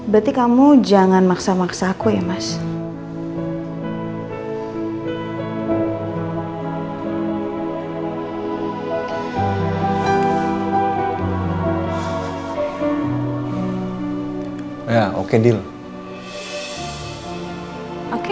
berarti kamu jangan maksa maksa aku yang nge review darimu